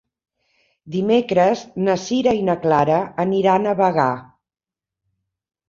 Dimecres na Sira i na Clara aniran a Bagà.